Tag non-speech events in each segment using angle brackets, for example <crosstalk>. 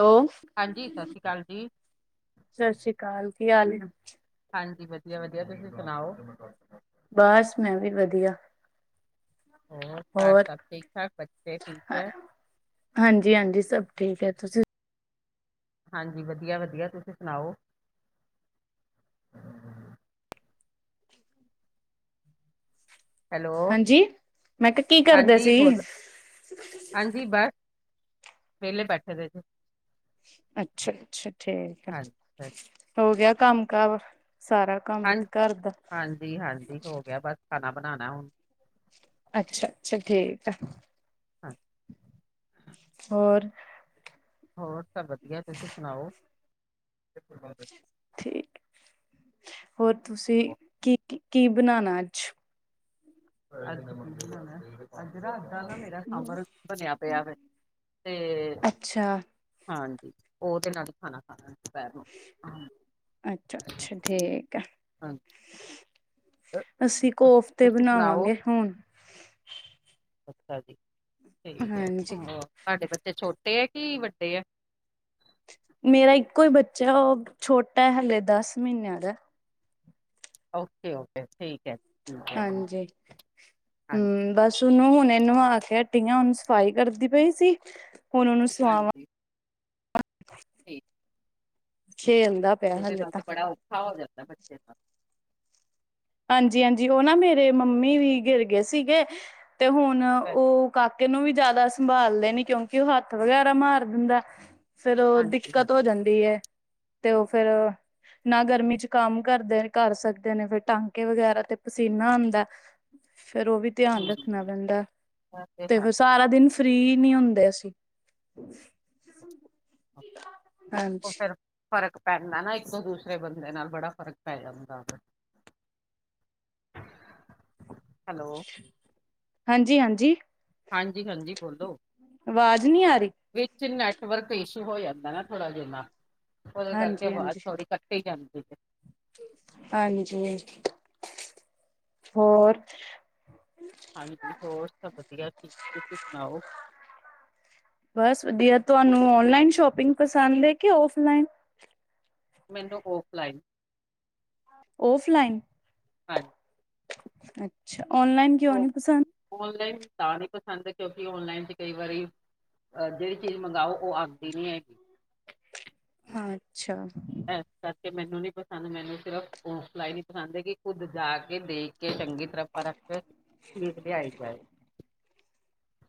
Hello ਹਾਂਜੀ, ਸਸੀ ਕਾਲ ਜੀ। ਸਸੀ ਕਾਲ, ਕੀ ਹਾਲ ਏ? ਹਾਂਜੀ, ਵਦੀਆ-ਵਦੀਆ ਤੁਸੀ ਸੁਨਾਓ। ਬਾਸ ਮੈਂ ਵੀ ਵਦੀਆ। ਹੋਰ ਘਾਰ ਸਾਬ ਠੀਕ-ਠਾਕ ਬੱਚੇ ਠੀਕ ਏ? ਹਾਂਜੀ-ਹਾਂਜੀ, ਸਬ ਠੀਕ ਐ ਤੁਸੀ ਹਾਂਜੀ, ਵਦੀਆ-ਵਦੀਆ ਤੁਸੀਂ ਸਨਾਓ? ਹੈਲੋ- ਹਾਂਜੀ ਮੈਂ ਕਿਹਾ ਕੀ ਕਰਦੇ ਹਾਂਜੀ ਸੀ ਬੋਲੋ। ਹਾਂਜੀ, ਬਾਸ ਵੇਲੇ ਬੈਠੇ ਦੇ ਸੀ। ਅੱਛਾ-ਅੱਛਾ ਠੀਕ ਆ, ਹਾਂਜੀ ਸਰ। ਹੋ ਗੇਆ ਕੰਮ ਕਾਰ ਸਾਰਾ? ਕੰਮ ਹਾਂਨ ਘਰ ਦਾ ਹਾਂਜੀ-ਹਾਂਜੀ, ਹੋ ਗੇਆ ਬਸ ਖਾਨਾ ਬਨਾਨੈ ਹੁਨ। ਅੱਛਾ-ਅੱਛਾ ਠੀਕ ਆ, ਹਾਂ ਹੋਰ? ਹੋਰ ਸਬ ਵਦੀਆ, ਤੁਸੀ ਸੁਨਾਓ? ਠੀਕ, ਹੋਰ ਤੁਸੀਂ ਕੀ, ਕੀ ਬਨਾਨਾ ਆੱਜ? <inaudible> ਮੇਰਾ ਸਾੰਬਰ ਬਨੇਆ ਪੇਆ ਵੇ ਤੇ ਅੱਛਾ ਹਾਂਜੀ, ਓਦੇ ਨਾਲ ਈ ਖਾਨਾ ਖਾਨਾ ਅੱਛਾ ਅੱਛਾ ਠੀਕ ਆ ਐ। <inaudible> ਅਸੀਂ ਕੋਫਤੇ ਤੁਸੀਂ ਸੁਣਾਓ ਬਣਾਵਾਂਗੇ ਹੋਣ। ਅੱਛਾ ਜੀ, ਠੀਕ ਐ। ਹਾਂਜੀ ਤੁਹਾਡੇ ਬੱਚੇ ਛੋਟੇ ਐ ਕਿ ਵੱਡੇ ਐ? ਮੇਰਾ ਇੱਕੋ ਈ ਬੱਚਾ ਓ ਛੋਟਾ ਐ, ਹਾਲੇ ਦਾੱਸ ਮ੍ਹੀਨੇਆਂ ਦਾ। ਓਕੇ-ਓਕੇ ਠੀਕ ਐ। ਹਾਂਜੀ, ਹਾਂਜੀ। ਹੂੰ, ਬਾਸ। <unintelligible> ਓਨੂੰ ਹੁਨੇ ਨਵਾ ਕੇ ਹਟੀ ਆਂ, ਓਨੂੰ ਸਫ਼ਾਈ ਕਰਦੀ ਪਈ ਸੀ ਹੁਨ ਓਨੂੰ ਸਵਾਵਾਂ। ਹਾਂਜੀ ਠੀਕ। ਛੇ ਹੁੰਦਾ। ਓਦੇ ਨਾਲ ਤੇ ਬੜਾ ਓਖਾ ਹੋ ਜਾਂਦੈ ਬੱਚੇ ਦਾ। ਹਾਂਜੀ-ਹਾਂਜੀ, ਓ ਨਾ ਮੇਰੇ ਮੰਮੀ ਵੀ ਗਿਰ ਗੇ ਸੀਗੇ, ਤੇ ਹੋਨ ਓ ਕਾ ਐਨੂੰ ਵੀ ਜਾਦਾ ਸੰਭਾਲਦੇ ਨੀ, ਕੇਓ ਕੇ ਓ ਹਾੱਥ ਵਗੈਰਾ ਮਾਰ ਦਿੰਦੈ ਫੇਰ ਓ, ਹਾਂਜੀ ਦਿੱਕਤ ਹੋ ਹਾਂਜੀ। ਜਾਂਦੀ ਐ। ਤੇ ਓ ਫੇਰ, ਨਾ ਗਰਮੀ ਚ ਕਾੰਮ ਕਰਦੇ ਕਾਰ ਸਕਦੇ ਨੇ ਫੇਰ ਟਾੰਗ ਵਗੈਰਾ ਤੇ ਪਸੀਨਾ ਆਂਦੈ, ਫੇਰ ਓ ਵੀ ਧੇਆਨ ਰੱਖਨਾ ਹੂੰ। ਪੈਂਦਾ, ਉਹ ਹੈ ਤੇ ਸਾਰਾ ਦਿਨ ਫ੍ਰੀ ਨੀ ਹੁੰਦੇ ਅਸੀਂ। <inaudible> <inaudible> ਓ ਫੇਰ ਫਰਕ ਪੈਂਦੈ ਨਾ, ਇੱਕ ਤੋਂ ਦੂਸਰੇ ਬੰਦੇ ਨਾਲ ਬੜਾ ਫਰਕ ਪੈ ਜਾਂਦਾ ਵੇ। <inaudible> ਹੈਲੋ ਹਾਂਜੀ-ਹਾਂਜੀ। ਹਾਂਜੀ, ਭੈਂਜੀ ਬੋਲੋ। ਆਵਾਜ਼ ਨਹੀਂ ਆ ਰਹੀ ਵਿੱਚ ਨੈਟਵਰਕ ਇਸ਼ੂ ਹੋ ਜਾਂਦਾ ਨਾ ਥੋੜਾ ਜਿਨਾ, ਓਦੇ ਕਰਕੇ ਹਾਂਜੀ ਵਾਜ ਹਾਂਜੀ ਥੋੜੀ <unintelligible> ਹਾਂਜੀ ਹੋਰ ਹਾਂਜੀ ਹੋਰ ਸਬ ਵਧੀਆ ਠੀਕ ਤੁਸੀਂ ਸੁਣਾਓ। ਬਸ ਵਧੀਆ ਤੁਆਨੂੰ ਔਨਲਾਈਨ ਸ਼ੋਪਿੰਗ ਪਸੰਦ ਏ ਕਿ ਔਫਲਾਈਨ। ਮੈਨੂੰ ਔਫਲਾਈਨ। ਔਫਲਾਈਨ। ਹਾਂ ਅੱਛਾ ਔਨਲਾਈਨ ਕਿਉਂ ਉਹ ਨੀ ਪਸੰਦ? ਔਨਲਾਈਨ ਤਾਂ ਨੀ ਪਸੰਦ ਕਿਉਂਕਿ ਔਨਲਾਈਨ ਚ ਕਈ ਵਾਰੀ ਅ ਜੇੜੀ ਚੀਜ਼ ਮੰਗਾਓ ਉਹ ਆਂਦੀ ਨੀ ਹੈਗੀ। ਅੱਛਾ ਏਸ ਕਰਕੇ ਮੈਨੂੰ ਨੀ ਪਸੰਦ ਮੈਨੂੰ ਸਿਰਫ਼ ਔਫਲਾਈਨ ਈ ਪਸੰਦ ਏ ਕਿ ਖੁੱਦ ਜਾ ਕੇ ਦੇਖ ਕੇ ਚੰਗੀ ਤਰਾਂ ਪਰਖ ਕੇ ਫੇਰ ਲਿਆਈ ਦਾ ਏ।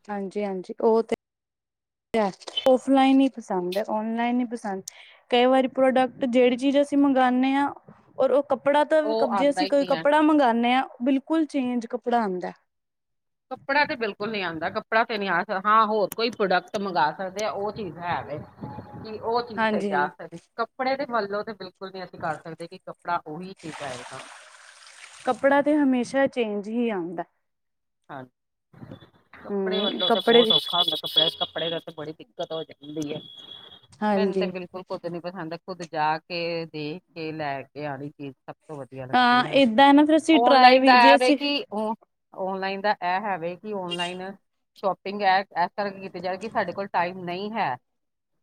ਹਾਂਜੀ-ਹਾਂਜੀ ਓ ਤੇ ਔਫਲਾਈਨ ਈ ਪਸੰਦ ਐ ਔਨਲਾਈਨ ਨੀ ਪਸੰਦ। ਕਈ ਵਾਰੀ ਪ੍ਰੋਡਕਟ ਜੇੜੀ ਚੀਜ਼ ਅਸੀਂ ਮੰਗਾਣੇ ਆ ਔਰ ਉਹ ਕੱਪੜਾ ਤਾਂ ਉਹ ਕਬ ਜੇ ਆਉਂਦਾ ਅਸੀਂ ਹੀ ਕੋਈ ਨਹੀਂ ਹੈ। ਕੱਪੜਾ ਮੰਗਉਂਦੇ ਹਾਂ ਬਿਲਕੁਲ ਚੇਂਜ ਕੱਪੜਾ ਆਦਾ। ਕੱਪੜਾ ਤੇ ਬਿਲਕੁਲ ਨੀ ਆਦਾ ਕੱਪੜਾ ਤੇ ਨੀ ਆ ਹਾਂ ਹੋਰ ਕੋਈ ਪ੍ਰੋਡਕਟ ਮੰਗਵਾ ਸਕਦੇ ਆ ਉਹ ਚੀਜ਼ ਹੈ ਵੇ। ਕੀ ਉਹ ਚੀਜ਼ ਸਹੀ ਹਾਂਜੀ ਆ ਹਾਂਜੀ ਸਕ ਕੱਪੜੇ ਦੇ ਮੰਨ ਲਓ ਤਾਂ ਬਿਲਕੁਲ ਨਹੀਂ ਅਸੀਂ ਕਰ ਸਕਦੇ ਕਿ ਕੱਪੜਾ ਉਹੀ ਚੀਜ਼ ਆਏਗਾ। ਕੱਪੜਾ ਤਾਂ ਹਮੇਸ਼ਾ ਚੇਂਜ ਹੀ ਆਂਦਾ। ਹਾਂਜੀ ਕੱਪੜੇ ਹਮ ਵੱਲੋਂ ਤਾਂ ਕੱਪੜੇ ਬਹੁਤ ਔਖਾ। ਕੱਪੜੇ, ਕੱਪੜੇ ਤੇ ਬੜੀ ਦਿੱਕਤ ਹੋ ਜਾਂਦੀ ਹੈ ਮੈਨੂੰ ਤੇ ਹਾਂਜੀ ਬਿਲੁ ਮੈਨੂੰ ਖੁਦ ਨੀ ਪਸੰਦ ਖੁੱਦ ਜਾ ਕੇ, ਦੇਖ ਕੇ, ਲੈ ਕੇ ਆਣੀ ਚੀਜ਼। ਸਭ ਤੋਂ ਵਧੀਆ ਹਾਂ ਲੱਗਦੀ ਹੈਗੀ ਏਦਾਂ ਹੈ ਨਾ ਫਿਰ ਅਸੀਂ ਟਰਾਏ ਔਨਲਾਈਨ ਦਾ ਵੀ ਜੇ ਐ ਹੈ ਅਸੀਂ ਕਿ ਉਹ ਔਨਲਾਈਨ ਦਾ ਐ ਹੈ ਵੇ ਕੀ ਔਨਲਾਈਨ ਸ਼ੋਪਿੰਗ ਐ ਏਸ ਕਰਕੇ ਕੀਤੀ ਜਾਵੇ ਕੀ ਸਾਡੇ ਕੋਲ ਟਾਈਮ ਨਹੀ ਹੈ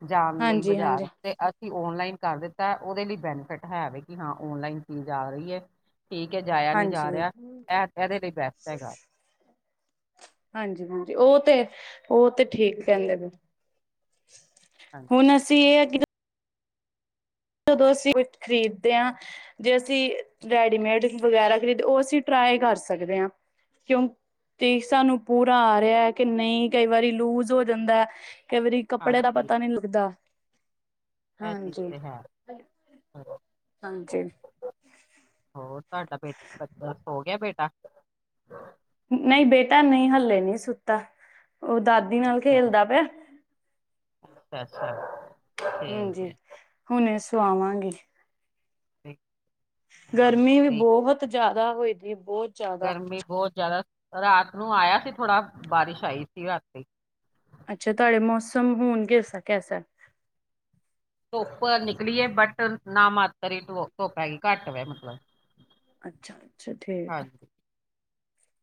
ਜਾਣ ਲਈ ਹਾਂਜੀ ਹਾਂਜੀ ਬਜ਼ਾਰ। ਤੇ ਅਸੀਂ ਓਨਲਾਈਨ ਕਰ ਦਿੱਤਾ ਓਦੇ ਲਈ ਬੈਨੀਫਿਟ ਹੈ ਵੇ ਕੀ ਹਾਂ ਓਨਲਾਈਨ ਚੀਜ਼ ਆ ਰਾਈ ਏ। ਠੀਕ ਐ ਜਾਇਆ ਨੀ ਹਾਂਜੀ ਜਾ ਰਿਆ ਐ ਏਦੇ ਲਈ ਬੈਸਟ ਹੈਗਾ। ਹਾਂਜੀ-ਹਾਂਜੀ ਓ ਤੇ ਓ ਤੇ ਠੀਕ ਕੇਂਦੇ ਪਏ ਉ। ਹਾਂ ਹੁਣ ਅਸੀਂ ਏ ਕੀ- ਜਦੋਂ ਅਸੀਂ ਕੁਛ ਖ਼ਰੀਦ ਦੇ ਆ। ਜੇ ਅਸੀਂ ਰੈਡੀਮੇਡ ਵਗੈਰਾ ਖਰੀਦੇ ਓ ਅਸੀਂ ਟਰਾਈ ਕਰ ਸਕਦੇ ਆਂ ਕਿਉਂ ਤੇ ਸਾਨੂੰ ਪੂਰਾ ਆ ਰਿਆ ਐ ਕਿ ਨਈ ਕਈ ਵਾਰੀ ਲੂਜ ਹੋ ਜਾਂਦਾ ਕਈ ਵਾਰੀ ਕੱਪੜੇ ਦਾ ਹਾਂਜੀ ਪਤਾ ਨੀ ਲੱਗਦਾ। ਇਹ ਚੀਜ਼ ਹਾਂਜੀ ਤੇ ਹੈ। ਹਾਂਜੀ। ਹੋਰ ਤੁਹਾਡਾ ਬੱਚਾ ਸੋ ਗਿਆ ਬੇਟਾ। ਨਹੀਂ ਬੇਟਾ ਨਹੀਂ ਹਲੇ ਨੀ ਸੁੱਤਾ ਉਹ ਦਾਦੀ ਨਾਲ ਅੱਛਾ ਖੇਲਦਾ ਪਿਆ। <unintelligible> ਠੀਕ ਹਾਂਜੀ ਹੈ ਹੁਣੇ ਸੁਆਵਾਂਗੀ। <unintelligible> ਗਰਮੀ ਵੀ ਤੇ ਬੋਹਤ ਜਾਦਾ ਹੋਈ ਦੀ ਏ ਬੋਹਤ ਗਰਮੀ ਬਹੁਤ ਜਾਦਾ ਰਾਤ ਨੂੰ ਆਇਆ ਸੀ ਥੋੜਾ ਬਾਰਿਸ਼ ਆਈ ਸੀ ਰਾਤੀ। ਅੱਛਾ ਤੁਹਾਡੇ ਮੌਸਮ ਹੋਣ ਕਿਸ ਕੈਸਾ? ਧੁੱਪ ਨਿਕਲੀ ਹੈ ਬਟ ਨਾ ਮਾਤਰ ਹੀ ਧੁੱਪ ਹੈਗੀ ਘੱਟ ਵਾ ਮਤਲਬ। ਅੱਛਾ-ਅੱਛਾ ਠੀਕ ਹੈ। ਹਾਂਜੀ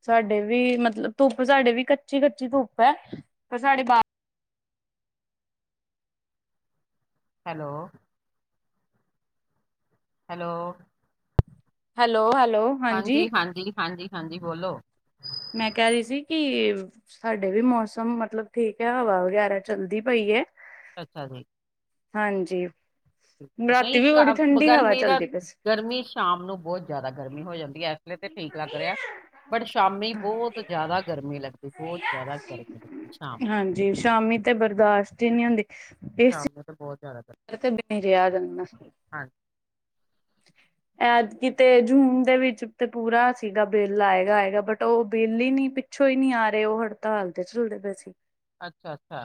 ਸਾਡੇ ਵੀ ਮਤਲਬ ਧੁੱਪ ਸਾਡੇ ਵੀ ਕੱਚੀ-ਕੱਚੀ ਧੁੱਪ ਹੈ ਪਰ ਸਾਡੇ ਬਾ ਹੈਲੋ। ਹੈਲੋ। ਹੈਲੋ-ਹੈਲੋ। ਹਾਂਜੀ-ਹਾਂਜੀ, ਹਾਂਜੀ-ਹਾਂਜੀ ਬੋਲੋ। ਮੈਂ ਕਹਿ ਰੀ ਸੀ ਕਿ ਸਾਡੇ ਵੀ ਮੌਸਮ ਮਤਲਬ ਠੀਕ ਐ। ਹਵਾ ਵਗੈਰਾ ਚੱਲਦੀ ਪਈ ਐ। ਅੱਛਾ ਜੀ। ਹਾਂਜੀ। ਰਾਤੀ ਨਈ ਵੀ ਕਾ ਬੜੀ ਠੰਡੀ ਹਵਾ ਗਰਮੀ ਦਾ ਚੱਲਦੀ ਪਈ ਸੀ ਗਰਮੀ ਸ਼ਾਮ ਨੂੰ ਬੋਤ ਜਾਦਾ ਗਰਮੀ ਹੋ ਜਾਂਦੀ ਐ। ਏਸਲੇ ਤੇ ਠੀਕ ਲੱਗ ਰਿਹਾ। ਬਟ ਸ਼ਾਮੀ ਬੋਤ ਜਾਦਾ ਗਰਮੀ ਲੱਗਦੀ ਬੋਤ ਜਾਦਾ ਗਰਮੀ ਲਗਦੀ ਸ਼ਾਮ ਜੀ, ਸ਼ਾਮੀ ਤੇ ਬਰਦਾਸ਼ਤ ਈ ਨੀ ਹੁੰਦੀ। ਸ਼ਾਮ ਨੂ ਤਾਂ ਬਹੁਤ ਜਾਦਾਤਰ। ਇਥੇ ਬੀ ਨੀ ਰਿਹਾ ਗੰਨਾ। <inaudible> ਐਤਕੀ ਤੇ ਜੂਨ ਦੇ ਵਿੱਚ ਤੇ ਪੂਰਾ ਸੀਗਾ ਬਿੱਲ ਆਏਗਾ-ਆਏਗਾ ਬਟ ਉਹ ਬਿੱਲ ਹੀ ਨੀ ਪਿੱਛੋ ਈ ਨੀ ਆ ਰਹੇ ਉਹ ਹੜਤਾਲ ਦੇ ਚਲਦੇ ਪਏ ਸੀ। ਅੱਛਾ-ਅੱਛਾ।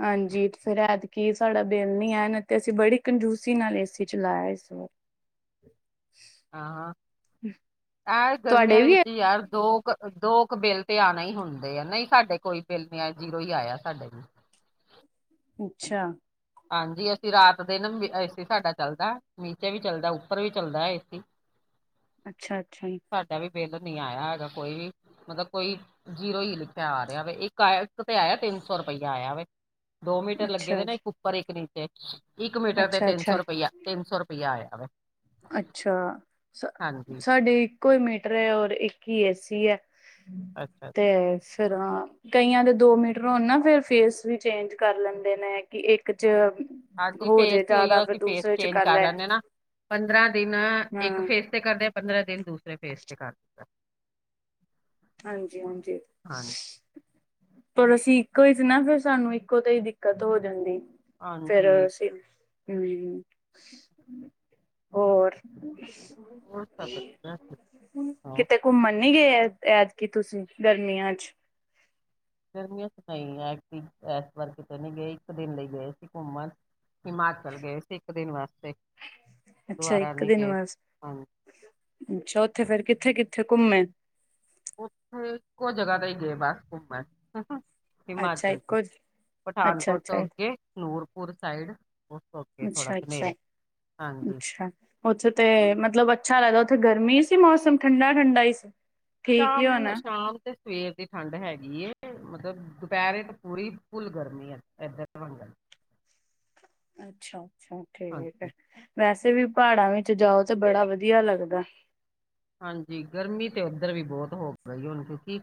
ਹ ਹਾਂਜੀ ਫੇਰ ਐਤਕੀ ਸਾਡਾ ਬਿੱਲ ਨੀ ਐ, ਨੀ ਤੇ ਅਸੀਂ ਬੜੀ ਕੰਜੂਸੀ ਨਾਲ ਏ ਸੀ ਚਲਾਇਆ ਇਸ ਵਾਰ। <inaudible> ਆਂ ਹਾਂ, ਯਾਰ ਤੁਹਾਡੇ ਗਰਮੀਆਂ ਦੇ ਵੀ ਵਿੱਚ ਏਦਾਂ ਹੀ ਯਾਰ ਸੀ? ਦੋ ਕ ਦੋ ਕੁ ਬਿੱਲ ਤੇ ਆਨਾ ਹੀ ਹੁੰਦੇ ਆ। ਨਹੀਂ ਸਾਡੇ ਕੋਈ ਬਿੱਲ ਨੀ ਆ ਜੀਰੋ ਈ ਆਇਆ ਸਾਡੇ ਵੀ। ਅੱਛਾ। ਹਾਂਜੀ ਅਸੀਂ ਰਾਤ ਦਿਨ ਮ ਏ ਸੀ ਸਾਡਾ ਚੱਲਦਾ, ਨੀਚੇ ਵੀ ਚੱਲਦਾ, ਉੱਪਰ ਵੀ ਚੱਲਦਾ ਏ ਸੀ। ਅੱਛਾ-ਅੱਛਾ ਜੀ। ਸਾਡਾ ਵੀ ਬਿੱਲ ਨੀ ਆਇਆ ਹੈਗਾ ਕੋਈ ਵੀ। ਮਤਲਬ ਕੋਈ, ਜੀਰੋ ਈ ਲਿਖਿਆ ਆ ਰਿਹਾ ਵੈ। ਇੱਕ ਆ ਇੱਕ ਤੇ ਆਇਆ ਤਿੰਨ ਸੌ ਰੁਪਇਆ ਆਇਆ ਵੈ। ਦੋ ਮੀਟਰ ਲੱਗੇ ਅੱਛਾ-ਅੱਛਾ, ਦੇ ਨੇ, ਇੱਕ ਉੱਪਰ ਇੱਕ ਨੀਚੇ, ਇੱਕ ਮੀਟਰ ਤੇ ਅੱਛਾ-ਅੱਛਾ, ਤਿੰਨ ਸੌ ਅੱਛਾ। ਰੁਪਇਆ ਤਿੰਨ ਸੌ ਰੁਪਇਆ ਆਇਆ ਵੈ। ਅੱਛਾ ਸ ਸਾਡੇ ਇੱਕੋ ਈ ਮੀਟਰ ਏ ਔਰ ਇੱਕ ਈ ਏਸੀ ਐ। ਅੱਛਾ ਅ ਤੇ ਫਿਰ ਆਂ। ਕਈਆਂ ਦੇ ਦੋ ਮੀਟਰ ਹੋਨ ਨਾ ਫੇਰ ਫੇਸ ਵੀ ਚੇਂਜ ਕਰ ਲੈਂਦੇ ਨੇ, ਕਿ ਇੱਕ ਚ ਹਾਂਜੀ ਹੋ ਫੇਸ ਜੇ ਵੀ ਜ਼ਿਆਦਾ ਓਈਯੋ, ਫਿਰ ਅਸੀਂ ਫੇਸ ਦੂਸਰੇ ਚ ਚੇਂਜ ਕਰ ਲੈ ਲੈਂਦੇ ਨਾ। ਪੰਦਰਾਂ ਦਿਨ ਇੱਕ ਹਾਂ ਫੇਜ਼ ਤੇ ਕਰਦੇ ਆ ਪੰਦਰਾਂ ਦਿਨ ਦੂਸਰੇ ਫੇਜ਼ ਤੇ ਕਰ ਦਿਤਾ। ਹਾਂਜੀ-ਹਾਂਜੀ। ਹਾਂਜੀ ਪਰ ਅਸੀਂ ਇੱਕੋ ਈ ਚ ਨਾ ਫਿਰ ਸਾਨੂੰ ਇੱਕੋ ਤੇ ਹੀ ਦਿੱਕਤ ਹੋ ਜਾਂਦੀ, ਫੇਰ ਹਾਂਜੀ ਅਸੀਂ ਹੁੰ, ਹੋਰ। ਹੋਰ ਸਭ ਵਧੀਆ ਠੀਕ ਠਾਕ ਕਿਤੇ ਘੁੰਮਣ ਨੀ ਗਏ? ਐਤਕੀ ਤੁਸੀਂ ਗਰਮੀਆਂ ਚ। ਗਰਮੀਆਂ ਚ ਨਈ, ਐਤਕੀ ਐਸ ਵਾਰ ਕਿਤੇ ਨੀ ਗਏ ਇੱਕ ਦਿਨ ਲਈ ਗਏ ਸੀ ਘੁੰਮਣ। ਹਿਮਾਚਲ ਗਏ ਸੀ ਇੱਕ ਦਿਨ ਵਾਸਤੇ। ਅੱਛਾ ਦੁਬਾਰਾ ਇੱਕ ਨਹੀਂ ਦਿਨ ਗਏ ਬਸ, ਹਾਂਜੀ ਅੱਛਾ ਉੱਥੇ ਫੇਰ ਕਿੱਥੇ-ਕਿੱਥੇ ਘੁੰਮੇ। ਉੱਥੇ ਇੱਕੋ ਜਗ੍ਹਾ ਤੇ ਈ ਗਏ ਬਸ ਘੁੰਮਣ। ਅੱਛਾ ਹਿਮਾਚਲ ਚ, ਇੱਕੋ ਅੱਛਾ ਅੱਛਾ ਪਠਾਨਕੋਟ ਤੋਂ ਅੱਗੇ, ਨੂਰਪੁਰ ਸਾਈਡ ਉਸ ਤੋ ਅ ਅਗੇ ਥੋੜਾ ਅੱਛਾ ਬਨੇਰਾ ਅੱਛਾ ਹਾਂਜੀ। ਅੱਛਾ ਉੱਥੇ ਤੇ ਮਤਲਬ ਅੱਛਾ ਲੱਗਦਾ ਉੱਥੇ ਗਰਮੀ ਸੀ ਮੌਸਮ ਠੰਡਾ-ਠੰਡਾ ਈ ਸੀ। ਠੀਕ ਹੀ ਸ਼ਾਮ, ਹੋਣਾ ਸ਼ਾਮ। ਤੇ ਸਵੇਰ ਦੀ ਠੰਡ ਹੈਗੀ। ਮਤਲਬ ਦੁਪਹਿਰੇ ਤਾਂ ਪੂਰੀ ਫੁੱਲ ਗਰਮੀ ਐ ਇੱਧਰ ਵਾਂਗਣ ਅੱਛਾ-ਅੱਛਾ ਠੀਕ ਐ। ਹਾਂਜੀ। ਵੈਸੇ ਵੀ ਪਹਾੜਾਂ ਵਿੱਚ ਜਾਓ ਤੇ ਬੜਾ ਵਧੀਆ ਲੱਗਦਾ। ਹਾਂਜੀ ਗਰਮੀ ਤੇ ਉੱਧਰ ਵੀ ਬਹੁਤ ਹੋ ਪਈ ਹੁਣ ਕਿਉਂਕਿ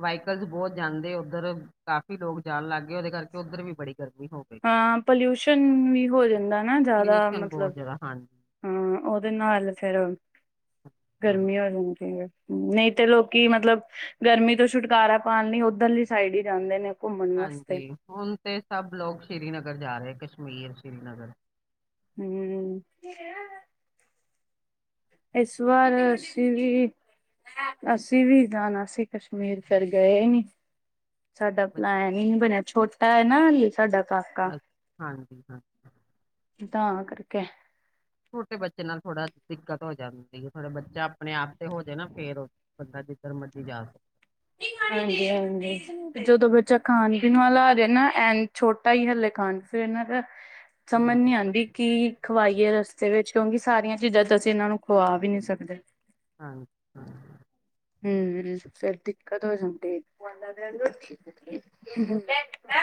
ਵਹੀਕਲਸ ਬਹੁਤ ਜਾਂਦੇ ਉੱਧਰ ਕਾਫ਼ੀ ਲੋਕ ਜਾਣ ਲੱਗ ਗਏ ਉਹਦੇ ਕਰਕੇ ਉੱਧਰ ਵੀ ਬੜੀ ਗਰਮੀ ਹੋ ਗਈ ਹੈ, ਹਾਂ ਪੋਲਿਊਸ਼ਨ ਵੀ ਹੋ ਜਾਂਦਾ ਨਾ ਜ਼ਿਆਦਾ ਪੋਲਿਊਸ਼ਨ ਬਹੁਤ ਮਤਲਬ ਜ਼ਿਆਦਾ ਹਾਂਜੀ ਹਾਂ ਉਹਦੇ ਨਾਲ ਫੇਰ ਗਰਮੀ ਹਾਂਜੀ, ਹੋ ਜਾਂਦੀ ਸੀ ਨਹੀਂ ਤੇ ਲੋਕੀ ਮਤਲਬ ਗਰਮੀ ਤੋਂ ਛੁਟਕਾਰਾ ਪਾਉਣ ਲਈ ਉੱਧਰਲੀ ਸਾਈਡ ਹੀ ਜਾਂਦੇ ਨੇ ਘੁੰਮਣ ਵਾਸਤੇ ਹਾਂਜੀ ਹੁਣ ਤੇ ਸਭ ਲੋਕ ਸ਼੍ਰੀਨਗਰ ਜਾ ਰਹੇ ਕਸ਼ਮੀਰ ਸ਼੍ਰੀਨਗਰ ਹਮ ਇਸ ਵਾਰ ਅਸੀ ਵੀ ਅਸੀਂ ਵੀ ਜਾਣਾ ਸੀ ਕਸ਼ਮੀਰ ਫਿਰ ਗਏ ਨੀ ਸਾਡਾ ਪਲੈਨ ਹੀ ਨਹੀਂ ਬਣਿਆ ਛੋਟਾ ਹੈ ਨਾ ਸਾਡਾ ਕਾਕਾ ਅੱ ਹਾਂਜੀ ਹਾਂਜੀ ਤਾਂ ਕਰਕੇ ਛੋਟੇ ਬੱਚੇ ਨਾਲ ਥੋੜਾ ਦਿੱਕਤ ਹੋ ਜਾਂਦੀ ਹੈ ਥੋੜੇ ਬੱਚਾ ਆਪਣੇ ਆਪ ਤੇ ਹੋ ਜਾੇ ਨਾ ਫੇਰ ਬੰਦਾ ਜਿੱਧਰ ਮਰਜ਼ੀ ਜਾ ਸਕਦਾ। ਹਾਂਜੀ ਹਾਂਜੀ ਜਦੋਂ ਬੱਚਾ ਖਾਣ-ਪੀਣ ਵਾਲ ਆ ਜਏ ਨਾ, ਐਨ ਛੋਟਾ ਹੀ ਹਲੇ ਖਾਣ ਫਿਰ ਇਹਨਾਂ ਦਾ। ਸੰਮਨ ਹੂੰ, ਹੂੰ, ਨੀ ਆਂਦੀ ਕੀ। ਖਵਾਈਏ ਰਸਤੇ ਵਿੱਚ, ਕਿਉਂਕਿ ਸਾਰੀਆਂ ਚੀਜ਼ਾਂ ਤੇ ਅਸੀਂ ਇਹਨਾਂ ਨੂੰ ਖਵਾ ਵੀ ਨਹੀਂ ਸਕਦੇ। ਹਾਂ ਜੀ ਹਾਂ ਹਮੱਮ, ਫੇਰ ਦਿੱਕਤ ਹੋ ਜਾਂਦੀ। <inaudible> <inaudible> ਏ ਲੈ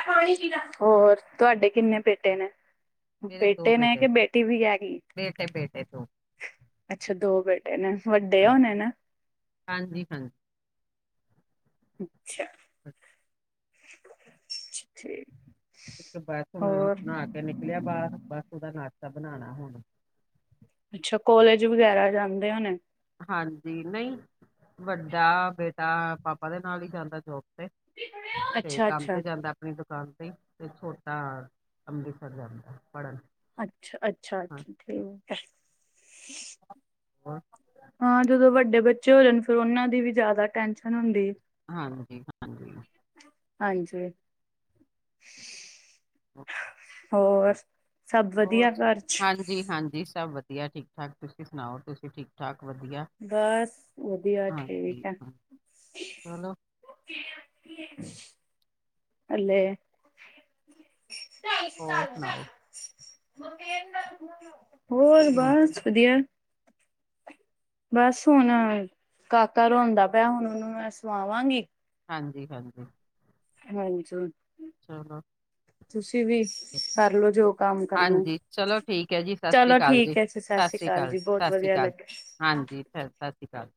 ਪਾਂਣੀ ਪੀ ਲੈ, ਹੋਰ ਤੁਹਾਡੇ ਕਿੰਨੇ ਬੇਟੇ ਨੇ? ਮੇਰੇ ਦੋ ਨੇ ਬੇਟੇ, ਕਿ ਬੇਟੀ ਵੀ ਹੈਗੀ ਬੇਟੇ-ਬੇਟੇ ਦੋ। ਅੱਛਾ ਦੋ ਬੇਟੇ ਨੇ, ਵੱਡੇ ਹੋਨੇ ਨਾ? ਹਾਂਜੀ ਹਾਂਜੀ ਅੱਛਾ ਠੀਕ ਇੱਕ ਬਸੁ ਹਣ ਹੋਰ ਨਹਾ ਕੇ ਨਿਕਲਿਆ ਬਾਹਰ ਬਸ ਉਹਦਾ ਨਾਸ਼ਤਾ ਬਣਾਣਾ ਹੁਣ ਅੱਛਾ ਕੋਲੇਜ ਵਗੈਰਾ ਜਾਂਦੇ ਹੋਣੇ ਹਾਂਜੀ ਨਹੀਂ ਵੱਡਾ ਬੇਟਾ ਪਾਪਾ ਦੇ ਨਾਲ ਹੀ ਜਾਂਦਾ ਜੋਬ ਤੇ ਤੇ ਅੱਛਾ ਕੰਮ ਅੱਛਾ ਤੇ ਜਾਂਦਾ ਆਪਣੀ ਦੁਕਾਨ ਤੇ ਤੇ ਛੋਟਾ ਅੰਮ੍ਰਿਤਸਰ ਜਾਂਦਾ ਪੜ੍ਹਨ ਅੱਛਾ ਅੱਛਾ ਅੱਛਾ ਠੀਕ ਹੋ ਹਾਂ ਜਦੋਂ ਵੱਡੇ ਬੱਚੇ ਹੋ ਜਾਣ, ਫਿਰ ਉਹਨਾਂ ਦੀ ਵੀ ਜਾਦਾ ਟੈਨਸ਼ਨ ਹੁੰਦੀ ਏ। ਹਾਂਜੀ-ਹਾਂਜੀ। ਹਾਂਜੀ। <inaudible> ਹਾਂ ਹੋਰ? ਸਭ ਹੋ ਵਧੀਆ ਘਰ ਚ ਹਾਂਜੀ-ਹਾਂਜੀ ਸਭ ਵਧੀਆ ਠੀਕ-ਠਾਕ ਤੁਸੀਂ ਸੁਣਾਓ, ਤੁਸੀਂ ਠੀਕ ਠਾਕ ਵਧੀਆ? ਬਸ, ਵਧੀਆ ਹਾਂਜੀ, ਠੀਕ ਐ। ਹਾਂਜੀ। ਚਲੋ <inaudible> ਹੱਲੇ। ਹੋਰ ਸੁਣਾਓ <inaudible> ਹੋਰ, ਕਿਵੇਂ ਬਸ ਵਧੀਆ। ਬਸ ਹੁਣ ਅ, ਕਾਕਾ ਰੋਂਦਾ ਪਿਆ ਹੁਣ ਉਹਨੂੰ ਮੈਂ ਸਵਾਵਾਂਗੀ। ਹਾਂਜੀ-ਹਾਂਜੀ। ਹਾਂਜੁ <inaudible> ਚਲੋ ਤੁਸੀ ਵੀ। ਕਰਲੋ ਜੋ ਕੰਮ ਕਰਨਾ ਹਾਂਜੀ, ਚਲੋ ਠੀਕ ਐ ਜੀ ਸਾਸਰੀ ਚਲੋ ਕਾਲ ਜੀ ਠੀਕ ਹੈ ਸਤਿ ਸ੍ਰੀ ਸਾਸਰੀ ਅਕਾਲ ਜੀ ਬਹੁਤ ਕਾਲ-ਸਾਸਰੀ ਵਧੀਆ ਕਾਲ। ਲੱਗਿਆ ਹਾਂਜੀ ਫੇਰ ਸਤਸ਼੍ਰੀਅਕਾਲ।